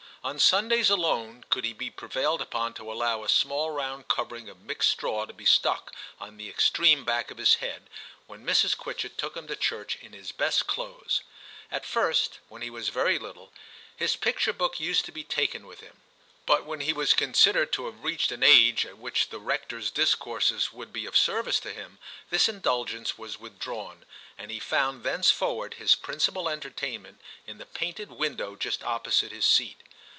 On Sundays alone could he be prevailed upon to allow a small round covering of mixed straw to be stuck on the extreme back of his head, when Mrs. Quitchett took him to church in his best I I TIM 5 clothes. At first, when he was very little, his picture book used to be taken with him ; but when he was considered to have reached an age at which the rector s discourses would be of service to him, this indulgence was withdrawn, and he found thenceforward his principal entertainment in the painted window just opposite his seat.